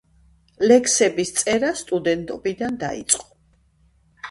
ლექსების წერა სტუდენტობიდან დაიწყო.